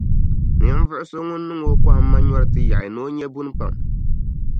Ninvuɣ’ so ŋun niŋ o kɔhimma nyɔri ti yaɣi ni o nya buni pam.